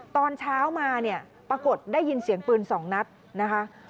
ตอนเช้ามาเนี่ยปรากฏได้ยินเสียงปืน๒นัดนะคะ